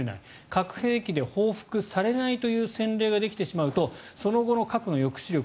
核兵器で報復されないという先例ができてしまうとその後の核の抑止力